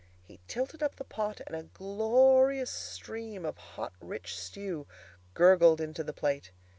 He tilted up the pot, and a glorious stream of hot rich stew gurgled into the plate.